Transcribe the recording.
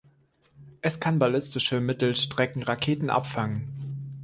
Es kann ballistische Mittelstreckenraketen abfangen.